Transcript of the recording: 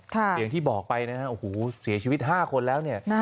อย่างที่บอกไปนะฮะโอ้โหเสียชีวิต๕คนแล้วเนี่ย